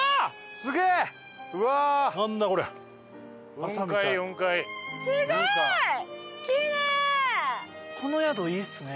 水田：この宿いいですね。